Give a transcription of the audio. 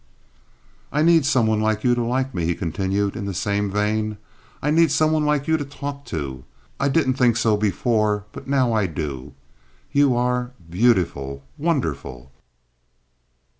"I need some one like you to like me," he continued, in the same vein. "I need some one like you to talk to. I didn't think so before—but now I do. You are beautiful—wonderful."